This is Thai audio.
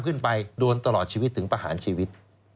ขึ้นไปโดนตลอดชีวิตถึงประหารชีวิต